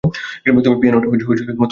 তুমি পিয়ানোটা তুলতে পারবে না।